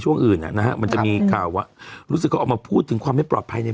ช่วงอื่นอ่ะนะฮะมันจะมีข่าวว่ารู้สึกเขาออกมาพูดถึงความไม่ปลอดภัยใน